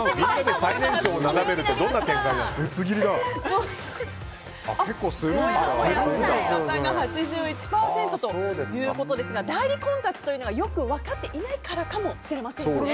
もやもやするが８１％ということですが代理婚活というのがよく分かっていないからかもしれませんね。